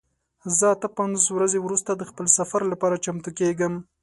زه اته پنځوس ورځې وروسته د خپل سفر لپاره چمتو کیږم.